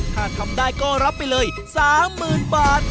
ถ้าทำได้ก็รับไปเลย๓๐๐๐บาท